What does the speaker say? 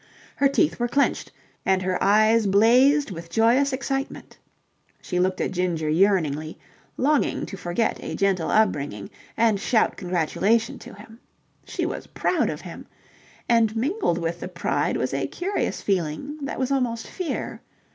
Her teeth were clenched and her eyes blazed with joyous excitement. She looked at Ginger yearningly, longing to forget a gentle upbringing and shout congratulation to him. She was proud of him. And mingled with the pride was a curious feeling that was almost fear.